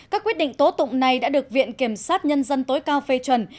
các quyết định tố tụng này đã được viện kiểm sát nhân dân tối cao phê chuẩn